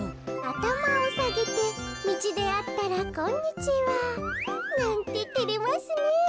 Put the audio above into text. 「頭をさげて道で会ったらこんにちは」。なんててれますねえ。